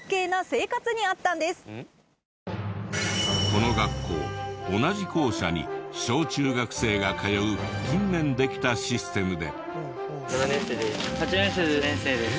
この学校同じ校舎に小中学生が通う近年できたシステムで。